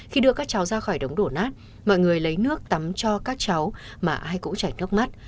khi đưa các cháu ra khỏi đống đổ nát mọi người lấy nước tắm cho các cháu mà ai cũng chảy nước mắt